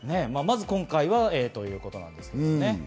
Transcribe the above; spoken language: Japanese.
まず今回はということですけどね。